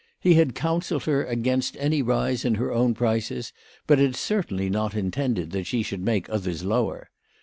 He had counselled her against any rise in her own prices, but had certainly not in tended that she should make others lower.